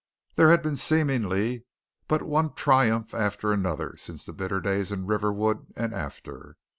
There had been seemingly but one triumph after another since the bitter days in Riverwood and after.